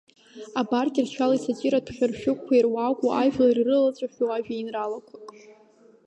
Абар Кьыршьал исатиратә хьыршәыгәқәа ируаку, ажәлар ирылаҵәахьоу ажәеинраалақәак…